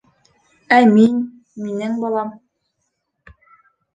Ә мин... минең балам...